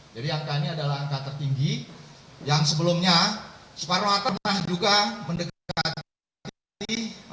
jadi angka ini adalah angka tertinggi yang sebelumnya soekarno hatta pernah juga mendekati delapan puluh empat